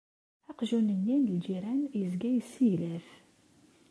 Aqjun-nni n lǧiran yezga yesseglaf.